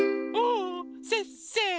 せっせの。